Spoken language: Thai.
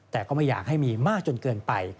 แต่ก็ไม่อยากให้มีมากจนเกินไป